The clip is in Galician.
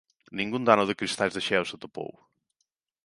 Ningún dano de cristais de xeo se atopou.